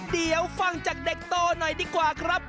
เดี๋ยวฟังจากเด็กโตหน่อยดีกว่าครับ